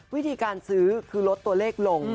วิธีการซื้อคือลดตัวเลขลง